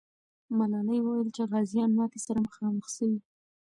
ملالۍ وویل چې غازیان ماتي سره مخامخ سوي.